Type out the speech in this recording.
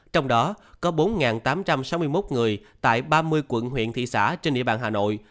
trong đó có bốn tám trăm sáu mươi một người tại ba mươi quận huyện thị xã trên địa bàn hà nội